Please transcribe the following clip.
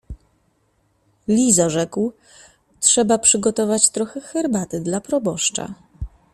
— Lizo — rzekł — trzeba przygotować trochę herbaty dla proboszcza…